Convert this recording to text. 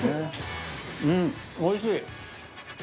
うんおいしい。